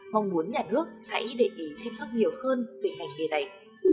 mong muốn nhà nước hãy để ý chăm sóc nhiều hơn về ngành nghề này